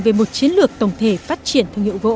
về một chiến lược tổng thể phát triển